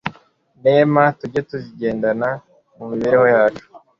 nema, tujye tuzigendana, mu mibereho yacu